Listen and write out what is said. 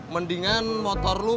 mendingan motor lu